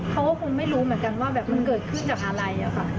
เขาไม่รู้มันเกิดขึ้นจากอะไร